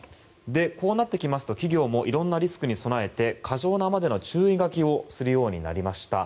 こうなってきますと企業もいろんなリスクに備えて過剰なまでの注意書きをするようになりました。